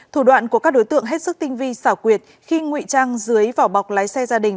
thủ đoạn của các đối tượng hết sức tinh vi xảo quyệt khi ngụy trang dưới vỏ bọc lái xe gia đình